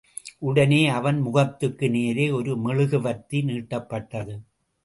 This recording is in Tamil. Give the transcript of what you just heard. உடனே அவன் முகத்துக்கு நேரே ஒரு மெழுகுவர்த்தி நீட்டப்பட்டது.